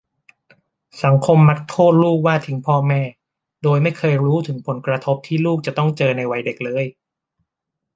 สังคมมักโทษลูกว่าทิ้งพ่อแม่ โดยไม่เคยรู้ถึงผลกระทบที่ลูกจะต้องเจอในวัยเด็กเลย